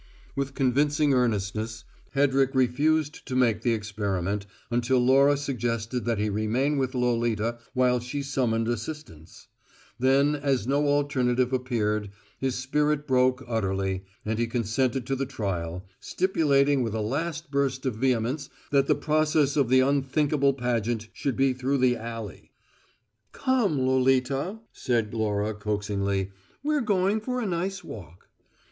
With convincing earnestness, Hedrick refused to make the experiment until Laura suggested that he remain with Lolita while she summoned assistance; then, as no alternative appeared, his spirit broke utterly, and he consented to the trial, stipulating with a last burst of vehemence that the progress of the unthinkable pageant should be through the alley. "Come, Lolita," said Laura coaxingly. "We're going for a nice walk."